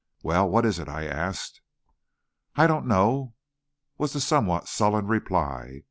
"Well, what is it?" I asked. "I don't know," was the somewhat sullen reply.